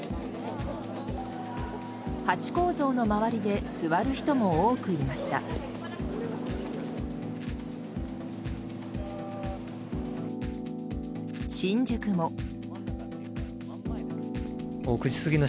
ハチ公像の周りで座る人も多くいました。